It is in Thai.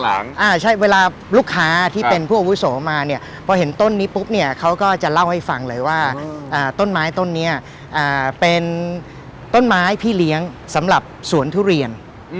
เวลาลูกค้าที่เป็นผู้อาวุโสมาเนี่ยพอเห็นต้นนี้ปุ๊บเนี่ยเขาก็จะเล่าให้ฟังเลยว่าต้นไม้ต้นนี้เป็นต้นไม้พี่เลี้ยงสำหรับสวนทุเรียน